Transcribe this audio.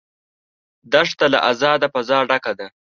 دښته له آزاده فضا ډکه ده.